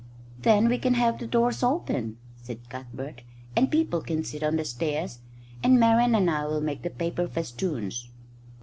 "Then we can have the doors open," said Cuthbert, "and people can sit on the stairs; and Marian and I will make the paper festoons."